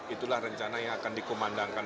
itulah rencana yang akan dikumandangkan